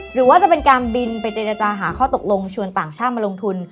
หรือว่าจะเป็นการบินไปเจรจาหาข้อตกลงชวนต่างชาติมาลงทุน